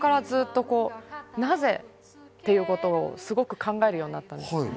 そこからずっとなぜ？っていうことをすごく考えるようになったんです。